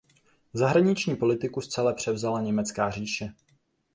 Zahraniční politiku zcela převzala Německá říše.